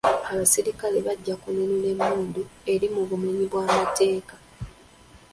Abasirikale bajja kununula emmundu eri mu bumenyi bw'amateeka.